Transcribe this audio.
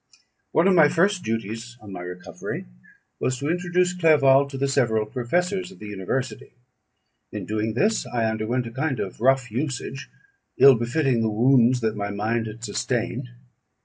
One of my first duties on my recovery was to introduce Clerval to the several professors of the university. In doing this, I underwent a kind of rough usage, ill befitting the wounds that my mind had sustained.